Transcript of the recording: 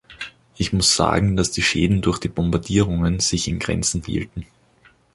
Ich muss sagen, dass die Schäden durch die Bombardierungen sich in Grenzen hielten.